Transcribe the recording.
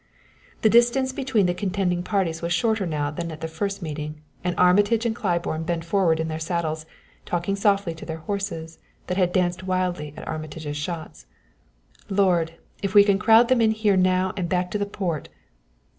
The distance between the contending parties was shorter now than at the first meeting, and Armitage and Claiborne bent forward in their saddles, talking softly to their horses, that had danced wildly at Armitage's shots. "Lord! if we can crowd them in here now and back to the Port!"